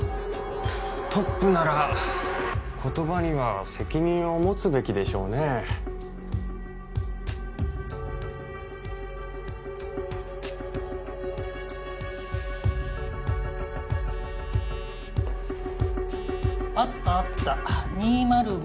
トップなら言葉には責任を持つべきでしょうねあったあった２０５